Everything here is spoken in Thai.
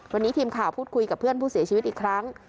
วันนี้ทีมข่าวพูดคุยกับเพื่อนผู้เสียชีวิตอีกครั้ง